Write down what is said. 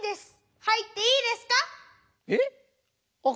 はいっていいですか？